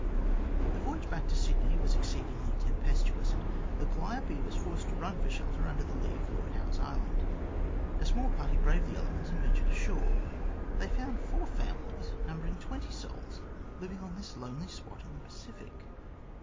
The voyage back to Sydney was exceedingly tempestuous,, and the Calliope was forced to run for shelter under the lee of Lord Howe's Island. A small party braved the elements and ventured ashore. They found four families, numbering twenty souls, living on this lonely spot in the Pacific.